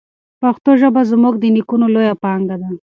پښتو ژبه زموږ د نیکونو لویه پانګه ده.